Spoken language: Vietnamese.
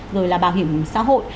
rồi là bảo hiểm xã hội